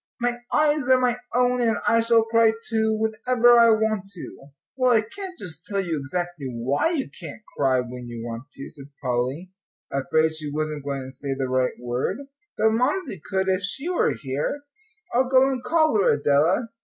"My eyes are my own, and I shall cry, too, whenever I want to." "Well, I can't just tell you exactly why you can't cry when you want to," said Polly, afraid she wasn't going to say the right word, "but Mamsie could if she were here. I'll go and call her, Adela."